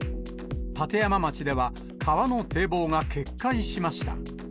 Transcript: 立山町では、川の堤防が決壊しました。